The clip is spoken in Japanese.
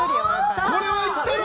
これはいったろ！